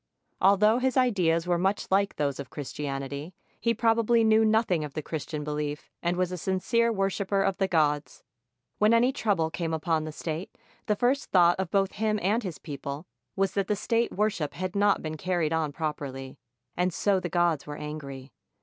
Although his ideas were much like those of Christianity, he probably knew nothing of the Christian belief and was a sincere worshiper of the gods. When any trouble came upon the state, the first thought of both him and his people was that the state worship had not been car ried on properly, and so the gods were angry.